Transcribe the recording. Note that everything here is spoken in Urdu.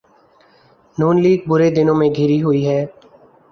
نون لیگ برے دنوں میں گھری ہوئی ہے۔